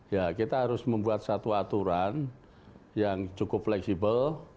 ya kita harus membuat satu aturan yang cukup fleksibel